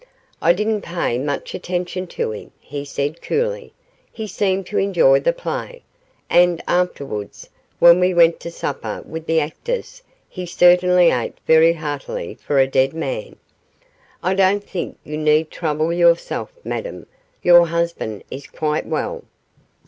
'I didn't pay much attention to him,' he said, coolly; 'he seemed to enjoy the play, and afterwards, when we went to supper with the actors, he certainly ate very heartily for a dead man. I don't think you need trouble yourself, Madame; your husband is quite well.